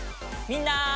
みんな！